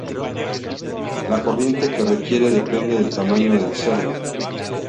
La corriente que requiere depende del tamaño del servo.